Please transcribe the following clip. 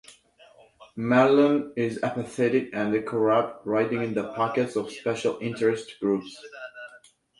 Marlon is apathetic and corrupt, riding in the pockets of special interest groups.